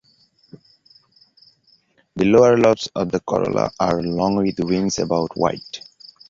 The lower lobes of the corolla are long with wings about wide.